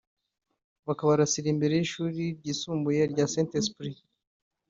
baka babarasira imbere y’ishure ryisumbuye rya St Esprit